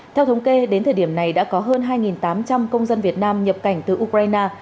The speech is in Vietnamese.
theo thống kê đến thời điểm này đã có hơn hai tám trăm linh công dân việt nam nhập cảnh từ ukraine